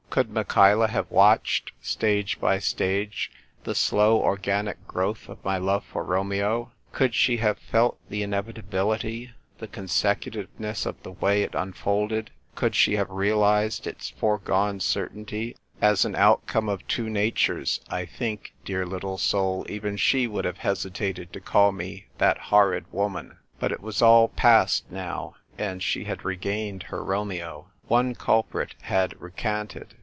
Could Michaela have watched, stage by stage, the slow organic growth of my love for Romeo; could she have felt the inevitability, the consecutiveness of the way it unfolded ; could she have realised its foregone certainty as an outcome of two natures, I think, dear little soul, even she would have hesitated to call me " that horrid woman." But it was all past now, and she had re gained her Romeo. One culprit had recanted.